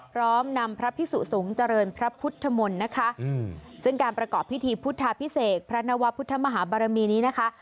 พร้อมนำพระพิสุสงฆ์เจริญพระพุทธมนตร์นะคะซึ่งการประกอบพิธีพุทธาพิเศษพระนวพุทธมหาบารมีนี้นะคะ